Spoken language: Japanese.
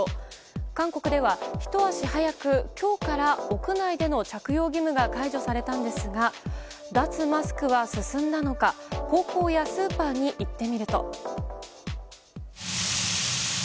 韓国では、ひと足早く今日から屋内での着用義務が解除されたんですが脱マスクは進んだのか高校やスーパーに行ってみると。